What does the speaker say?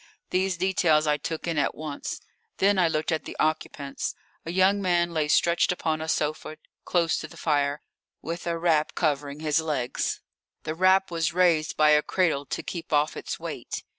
These details I took in at once. Then I looked at the occupants. A young man lay stretched upon a sofa close to the fire with a wrap covering his legs. The wrap was raised by a cradle to keep off its weight.